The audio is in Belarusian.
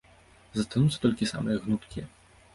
Застануцца толькі самыя гнуткія.